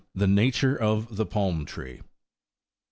THE NATURE OF THE PALM TEEE.